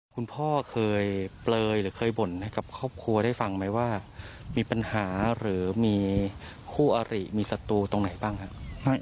คุณพ่อเคยเปลยหรือเคยบ่นให้กับครอบครัวได้ฟังไหมว่ามีปัญหาหรือมีคู่อาริมีศัตรูตรงไหนบ้างครับ